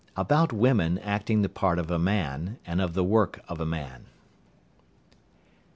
ABOUT WOMEN ACTING THE PART OF A MAN; AND OF THE WORK OF A MAN.